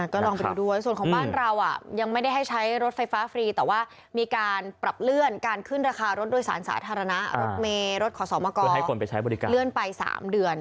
ก็ลองไปดูด้วยส่วนของบ้านเรายังไม่ได้ให้ใช้รถไฟฟ้าฟรีแต่ว่ามีการปรับเลื่อนการขึ้นราคารถโดยสารสาธารณะรถเมย์รถขอสอบมากรให้คนไปใช้บริการเลื่อนไป๓เดือน